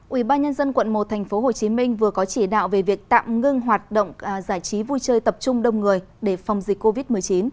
ủy ban nhân dân quận một tp hcm vừa có chỉ đạo về việc tạm ngưng hoạt động giải trí vui chơi tập trung đông người để phòng dịch covid một mươi chín